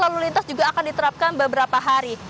lalu lintas juga akan diterapkan beberapa hari